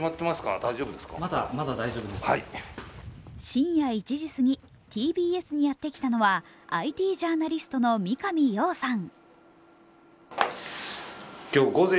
深夜１時過ぎ、ＴＢＳにやってきたのはＩＴジャーナリストの三上洋さん。